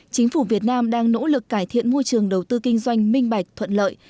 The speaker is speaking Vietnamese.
chính phủ việt nam đang nỗ lực cải thiện môi trường đầu tư kinh doanh minh bạch thuận lợi